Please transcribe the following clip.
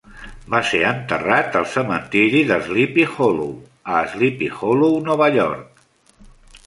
Va ser enterrat al cementiri de Sleepy Hollow, a Sleepy Hollow, Nova York.